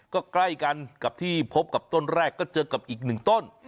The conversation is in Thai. ก็ใกล้กันกับที่พบกับต้นแรกก็เจอกับอีกหนึ่งต้น